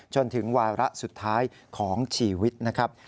จนถึงวาระสุดท้ายของชีวิตนะครับ